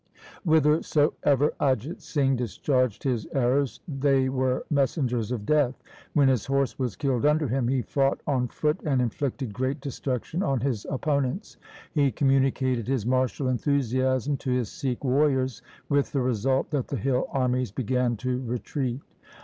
Whithersoever Ajit Singh discharged his arrows, they were messengers of death. When his horse was killed under him he fought on foot, and inflicted great destruction on his opponents. He communi cated his martial enthusiasm to his Sikh warriors, with the result that the hill armies began to retreat.